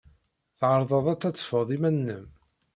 Tɛerḍed ad teḍḍfed iman-nnem.